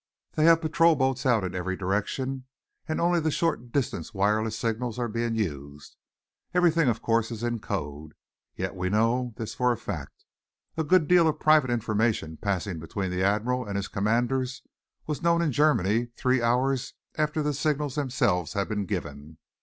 They have patrol boats out in every direction, and only the short distance wireless signals are being used. Everything, of course, is in code, yet we know this for a fact: a good deal of private information passing between the Admiral and his commanders was known in Germany three hours after the signals themselves had been given.